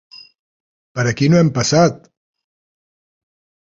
Per aquí no hem passat!